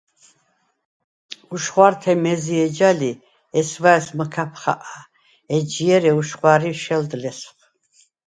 უშხვა̄რთე მე̄ზი ეჯა ლი, ჲესვა̄̈ჲს მჷქაფ ხაყა, ეჯჟ’ ე̄რე უშხვა̄რი შელდ ლესვხ.